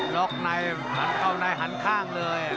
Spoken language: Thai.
ล็อกในหันเข้าในหันข้างเลย